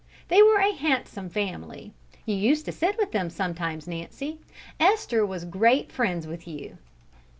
They were a handsome family. You used to sit with them sometimes, Nancy; Esther was great friends with you."